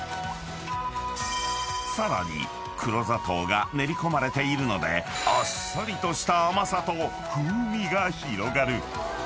［さらに黒砂糖が練り込まれているのであっさりとした甘さと風味が広がる］